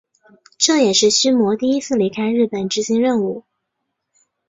这也是须磨第一次离开日本执行任务。